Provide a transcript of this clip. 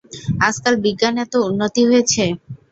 আজকাল বিজ্ঞান এত উন্নতি হয়েছে।